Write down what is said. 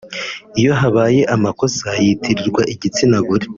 iyo habaye amakosa yitirirwa igitsina gore